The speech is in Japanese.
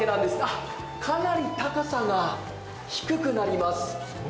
あ、かなり高さが低くなります。